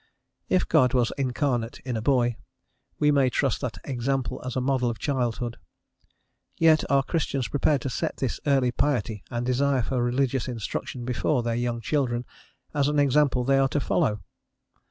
If God was incarnate in a boy, we may trust that example as a model of childhood: yet, are Christians prepared to set this early piety and desire for religious instruction before their young children as an example they are to follow?